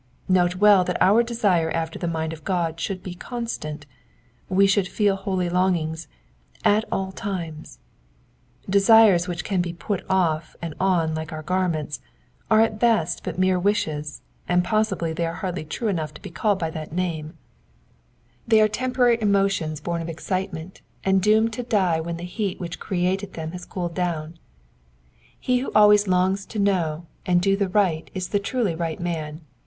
Note well that our desire after the mind of God should be constant ; we should feel holy longings oi aU times.^^ Desires which can be put off and on like our garments are at best but mere wishes, and possibly they are hardly true enough to be called by that mune, — they are temporary emotions Digitized by VjOOQIC 52 EXPOSITIONS OF THE PSALMS. bom of excitement, and doomed to die when the heat which created them has cooled down. He who always longs to know and do the right is the truly right man.